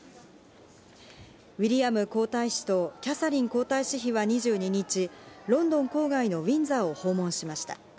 ウィリアム皇太子とキャサリン皇太子妃は２２日、ロンドン郊外のウィンザーを訪問しました。